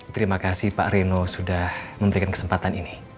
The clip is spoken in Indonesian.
terima kasih pak reno sudah memberikan kesempatan ini